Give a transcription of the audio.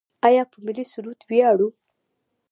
آیا په ملي سرود ویاړو؟